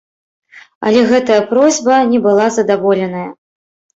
Але гэтая просьба не была задаволеная.